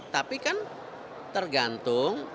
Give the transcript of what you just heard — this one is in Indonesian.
tapi kan tergantung